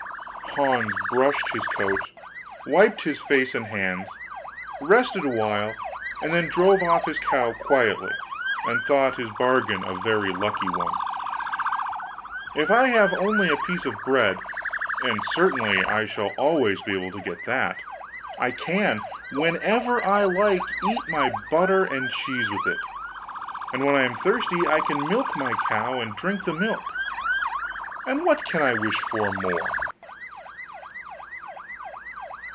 Hans brushed his coat, wiped his face and hands, rested a while, and then drove off his cow quietly, and thought his bargain a very lucky one. 'If I have only a piece of bread (and I certainly shall always be able to get that), I can, whenever I like, eat my butter and cheese with it; and when I am thirsty I can milk my cow and drink the milk: and what can I wish for more?